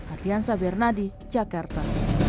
ardian sabernadi jakarta